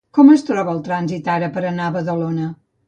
Com es troba el trànsit ara per anar a Badalona?